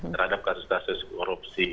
terhadap kasus kasus korupsi